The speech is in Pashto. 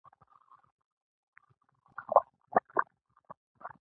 نن همدا شرم د فخر ځای نیسي.